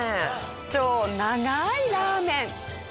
超長いラーメン。